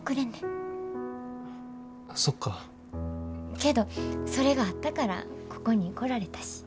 けどそれがあったからここに来られたし。